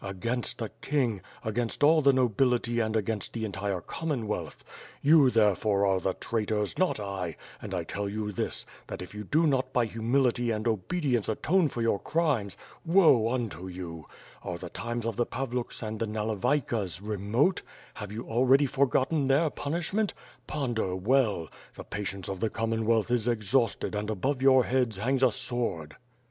Against the kinsr, against all the nobility and against the entire Commonwealth! You, there fore, are the traitors, not I, nnd T tell you this, that if you do not by humility and oborlirnco atone for your crimes, woe unto you! Are the times of the Pavluks and the Nalevaykas 140 WITH FIRE AND SWORD. remote? Have you already forgotten their punishment? Ponder well! the patience of the Commonwealth is exhausted and above your heads hangs a sword."